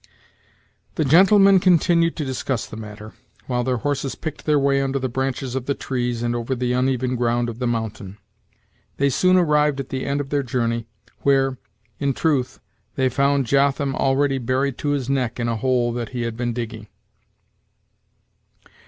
The gentlemen continued to discuss the matter, while their horses picked their way under the branches of the trees and over the uneven ground of the mountain. They soon arrived at the end of their journey, where, in truth, they found Jotham already buried to his neck in a hole that he had been digging.